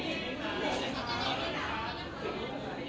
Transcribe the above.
สวัสดีครับคุณผู้ชม